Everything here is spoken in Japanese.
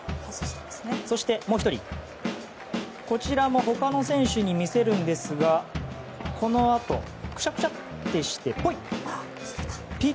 そして、もう１人こちらも他の選手に見せるんですがこのあとくしゃくしゃとして、ポイッ！